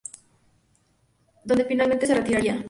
E. Figueres donde finalmente se retiraría.